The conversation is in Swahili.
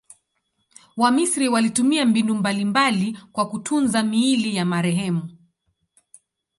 Wamisri walitumia mbinu mbalimbali kwa kutunza miili ya marehemu.